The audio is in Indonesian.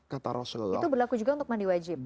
kata rasulullah itu berlaku juga untuk mandi wajib